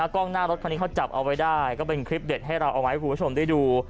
กล้องหน้ารถจับเอาไว้ได้เป็นคลิปเด็ดให้เราเอาไว้ให้ผู้ชมด้วยดู